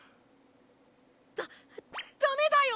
ダダメだよ！